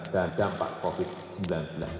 dan dampak covid sembilan belas